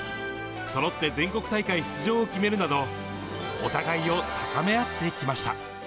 そろって全国大会出場を決めるなど、お互いを高め合ってきました。